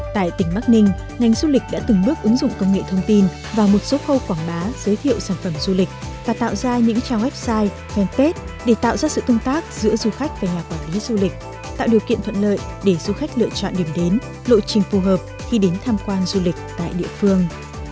tại tỉnh bắc ninh ngành du lịch đã từng bước ứng dụng công nghệ thông tin vào một số khâu quảng bá giới thiệu sản phẩm du lịch và tạo ra những trang website fanpage để tạo ra sự tương tác giữa du khách và nhà quản lý du lịch tạo điều kiện thuận lợi để du khách lựa chọn điểm đến lộ trình phù hợp khi đến tham quan du lịch tại địa phương